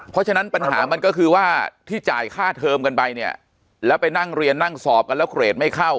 เพราะฉะนั้นปัญหามันก็คือว่าที่จ่ายค่าเทอมกันไปเนี่ยแล้วไปนั่งเรียนนั่งสอบกันแล้วเกรดไม่เข้า